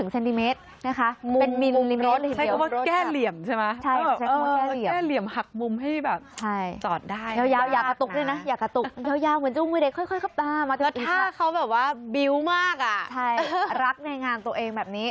สังเกตดี